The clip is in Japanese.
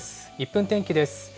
１分天気です。